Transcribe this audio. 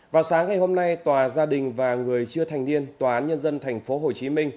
vào sáng ngày hôm nay tòa gia đình và người chưa thành niên tòa án nhân dân tp hcm